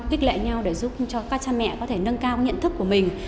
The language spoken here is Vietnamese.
kích lệ nhau để giúp cho các cha mẹ có thể nâng cao nhận thức của mình